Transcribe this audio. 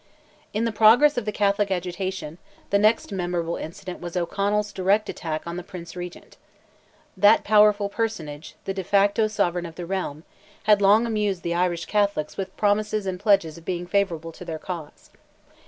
In the progress of the Catholic agitation, the next memorable incident was O'Connell's direct attack on the Prince Regent. That powerful personage, the de facto Sovereign of the realm, had long amused the Irish Catholics with promises and pledges of being favourable to their cause.